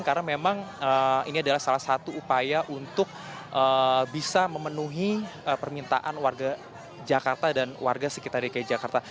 karena memang ini adalah salah satu upaya untuk bisa memenuhi permintaan warga jakarta dan warga sekitar dki jakarta